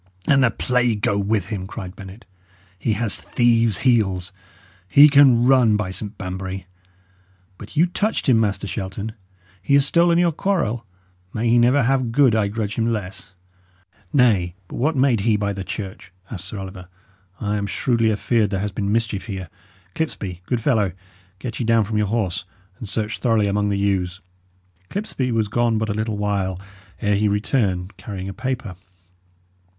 "And the plague go with him!" cried Bennet. "He has thieves' heels; he can run, by St Banbury! But you touched him, Master Shelton; he has stolen your quarrel, may he never have good I grudge him less!" "Nay, but what made he by the church?" asked Sir Oliver. "I am shrewdly afeared there has been mischief here. Clipsby, good fellow, get ye down from your horse, and search thoroughly among the yews." Clipsby was gone but a little while ere he returned carrying a paper.